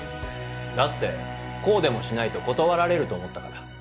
だってこうでもしないと断られると思ったから。